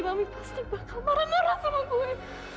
kami pasti bakal marah marah sama gue